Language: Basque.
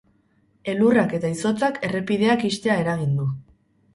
Elurrak eta izotzak errepideak ixtea eragin du.